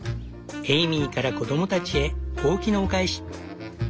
エイミーから子どもたちへホウキのお返し。